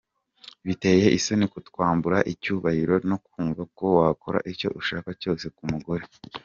Biteye isoni kutwambura icyubahiro no kumva ko wakora icyo ushaka cyose ku mugore.